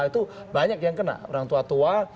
itu banyak yang kena orang tua tua